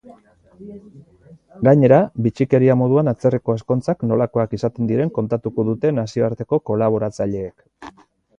Gainera, bitxikeria moduan atzerriko ezkontzak nolakoak izaten diren kontatuko dute nazioarteko kolaboratzaileek.